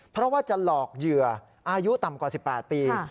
เพราะว่าจะหลอกเหยื่ออายุต่ำกว่า๑๘ปี